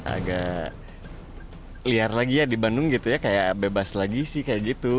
agak liar lagi ya di bandung gitu ya kayak bebas lagi sih kayak gitu